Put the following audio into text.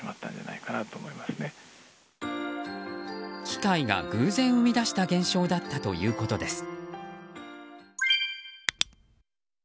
機械が偶然生み出した現象だったということです。